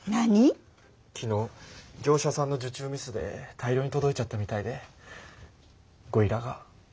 昨日業者さんの受注ミスで大量に届いちゃったみたいでゴリラが。